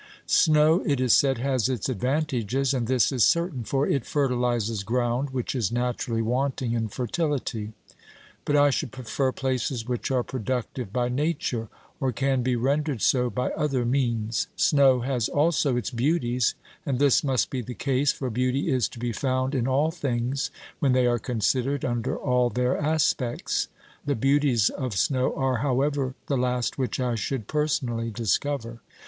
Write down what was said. Snow it is said has its advantages, and this is certain, for it fertilises ground which is naturally wanting in fertility ; but I should prefer places which are productive by nature, or can be rendered so by other means. Snow has also its beauties, and this must be the case, for beauty is to be found in all things when they are considered under all their aspects ; the beauties of snow are, however, the last which I should personally discover.